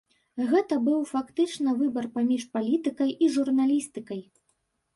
Гэта быў фактычна выбар паміж палітыкай і журналістыкай.